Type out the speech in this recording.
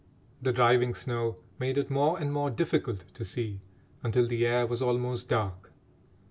The driving snow made it more and more difficult to see, until the air was almost dark.